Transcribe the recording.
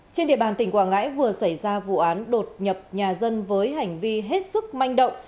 trên địa bàn tỉnh quảng ngãi vừa xảy ra vụ án đột nhập nhà dân với hành vi hết sức manh động